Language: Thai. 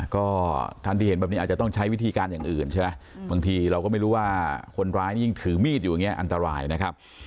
ก็ท่านที่เห็นแบบนี้อาจจะต้องใช้วิธีการอย่างอื่นใช่ไหมบางทีเราก็ไม่รู้ว่าคนร้ายยิ่งถือมีดอยู่อย่างนี้อันตรายนะครับ